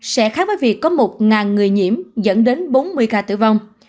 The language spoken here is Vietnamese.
sẽ khác với việc có một người nhiễm dẫn đến bốn mươi ca tử vong